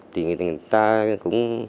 thì người ta cũng